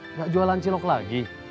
enggak jualan cilok lagi